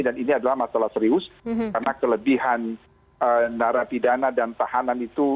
dan ini adalah masalah serius karena kelebihan narapidana dan tahanan itu